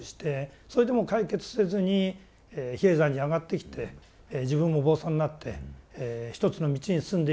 それでも解決せずに比叡山に上がってきて自分もお坊さんになって一つの道に進んでいく。